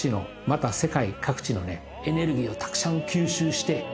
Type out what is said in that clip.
また世界各地のエネルギーをたくさん吸収して。